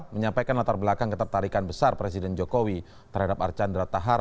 menyampaikan latar belakang ketertarikan besar presiden jokowi terhadap archandra tahar